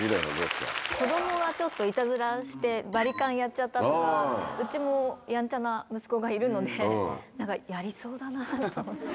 子どもがちょっといたずらしてバリカンやっちゃったとか、うちも、やんちゃな息子がいるので、なんかやりそうだなと思って。